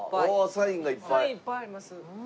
サインいっぱいあります。